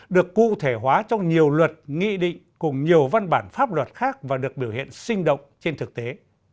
được cụ thể hóa trong nhiều luật nghị định cùng nhiều văn bản pháp luật khác và được biểu hiện sinh động trên thực tế